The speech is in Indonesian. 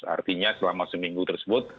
artinya selama seminggu tersebut